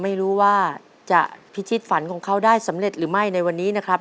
ไม่รู้ว่าจะพิชิตฝันของเขาได้สำเร็จหรือไม่ในวันนี้นะครับ